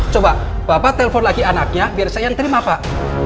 coba bapak telpon lagi anaknya biar saya yang terima pak